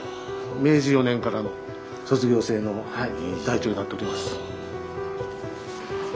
明治４年からの卒業生の台帳になっております。